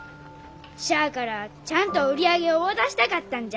しゃあからちゃんと売り上ぎょう渡したかったんじゃ。